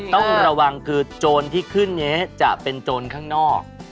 ต้องระวังคือโจรที่ขึ้นนี้จะเป็นโจรข้างนอก